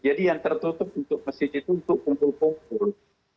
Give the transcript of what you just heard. jadi yang tertutup untuk masjid itu untuk kumpul kumpul